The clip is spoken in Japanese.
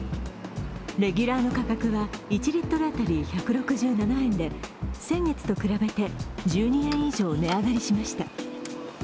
レギュラーの価格は１リットル当たり１６７円で先月と比べて１２円以上、値上がりしました。